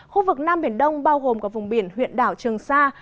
khu vực nam biển đông bao gồm cả vùng biển huyện đảo trường sa